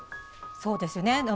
そうですね。